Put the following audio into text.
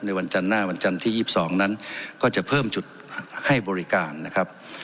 วันจันทร์หน้าวันจันทร์ที่๒๒นั้นก็จะเพิ่มจุดให้บริการนะครับ